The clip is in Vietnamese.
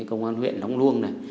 công an huyện lóng luông này